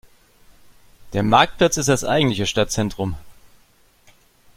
Der Marktplatz ist das eigentliche Stadtzentrum.